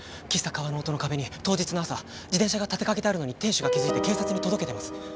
喫茶川の音の壁に当日の朝自転車が立てかけてあるのに店主が気付いて警察に届けてます。